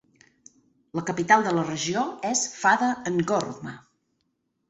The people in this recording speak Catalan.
La capital de la regió és Fada N'Gourma.